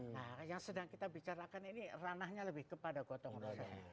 nah yang sedang kita bicarakan ini ranahnya lebih kepada gotong royong